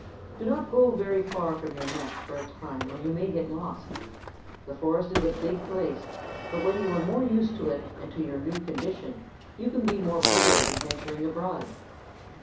Do not go very far from your nest, for a time, or you may get lost. The forest is a big place; but when you are more used to it and to your new condition you can be more bold in venturing abroad."